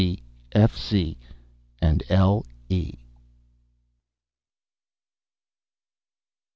D.T., F.C., and L.E."